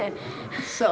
そう。